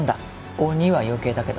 鬼は余計だけどね。